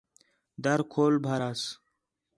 دَر کھول بھاراس